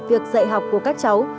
việc dạy học của các cháu